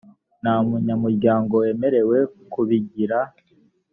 nta munyamuryango wemerewe kubigira